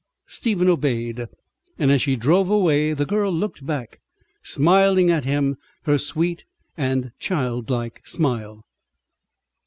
Stephen obeyed, and as she drove away the girl looked back, smiling at him her sweet and childlike smile.